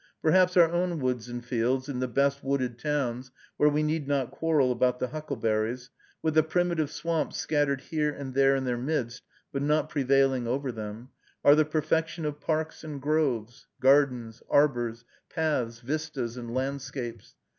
Perhaps our own woods and fields, in the best wooded towns, where we need not quarrel about the huckleberries, with the primitive swamps scattered here and there in their midst, but not prevailing over them, are the perfection of parks and groves, gardens, arbors, paths, vistas, and landscapes.